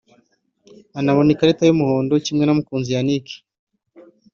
anabona ikarita y’umuhondo kimwe na Mukunzi Yannick